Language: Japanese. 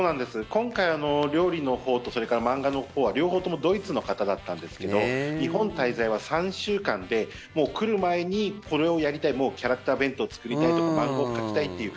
今回、料理のほうとそれから漫画のほうは両方ともドイツの方だったんですけど日本滞在は３週間でもう来る前にこれをやりたいキャラクター弁当作りたいとか漫画を描きたいという。